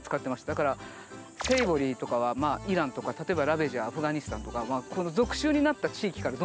だからセイボリーとかはイランとか例えばラベージはアフガニスタンとか属州になった地域からどんどんどんどん。